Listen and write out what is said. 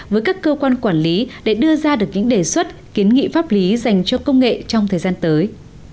với các cơ quan quản lý để đưa ra được những đề xuất kiến nghị pháp lý dành cho công nghệ trong thời gian tới